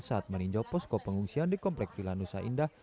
saat meninjau posko pengungsian di komplek vilanusa indah